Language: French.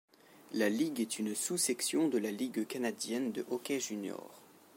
La ligue est une sous-section de la Ligue canadienne de hockey junior.